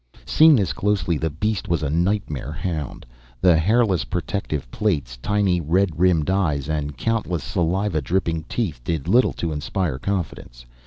Seen this closely the beast was a nightmare hound. The hairless protective plates, tiny red rimmed eyes, and countless, saliva dripping teeth did little to inspire confidence.